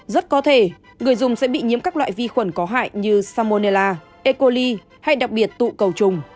rất có thể người dùng sẽ bị nhiếm các loại vi khuẩn có hại như salmonella e coli hay đặc biệt tụ cầu trùng